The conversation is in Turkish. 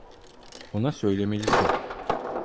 Ona söylemelisin.